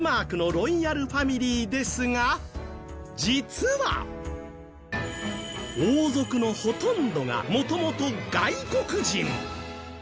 長い歴史を持つデンマークのロイヤルファミリーですが実は、王族のほとんどがもともと外国人。